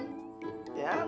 udah bersih kan